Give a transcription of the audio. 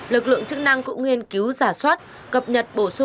lực lượng chức năng cũng nghiên cứu giả soát